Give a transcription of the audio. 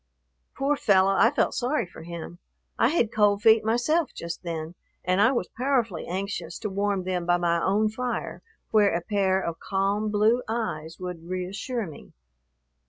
Poor fellow, I felt sorry for him. I had cold feet myself just then, and I was powerfully anxious to warm them by my own fire where a pair of calm blue eyes would reassure me.